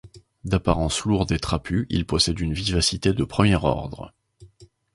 D'apparence lourde et trapue, il possède une vivacité de premier ordre.